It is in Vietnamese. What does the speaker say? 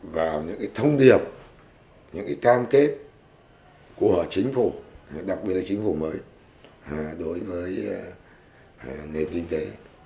vào những thông điệp những cam kết của chính phủ đặc biệt là chính phủ mới đối với nền kinh tế